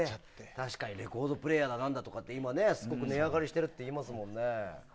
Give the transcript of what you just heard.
確かにレコードプレーヤーだなんだとかって今、すごく値上がりしてるっていいますもんね。